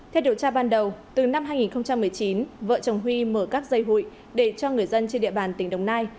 theo điều tra ban đầu từ năm hai nghìn một mươi chín vợ chồng huy mở các dây hụi để cho người dân trên địa bàn tỉnh đồng nai